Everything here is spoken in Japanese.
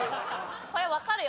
これ分かるよ